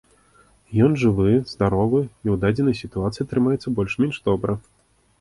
Ён жывы, здаровы і ў дадзенай сітуацыі трымаецца больш-менш добра.